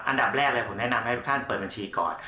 อันดับแรกเลยผมแนะนำให้ทุกท่านเปิดบัญชีก่อน